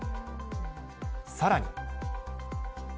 さらに。